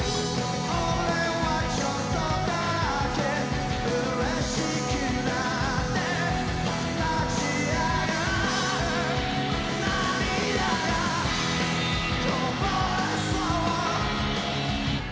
「俺はちょっとだけ嬉しくなって」「立ち上がる」「涙がこぼれそう」